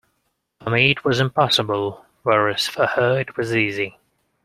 For me it was impossible, whereas for her it was easy.